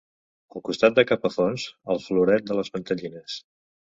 Al costat de Capafonts, el floret de les mantellines.